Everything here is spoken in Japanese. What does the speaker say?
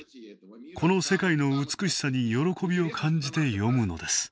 この世界の美しさに喜びを感じて詠むのです。